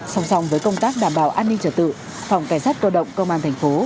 song song với công tác đảm bảo an ninh trở tự phòng cảnh sát cơ động công an thành phố